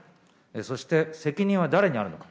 そして、責任は誰にあるのか。